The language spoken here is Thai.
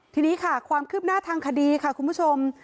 ทีนี้ค่ะความคืบหน้าทางคดีค่ะคุณผู้ชม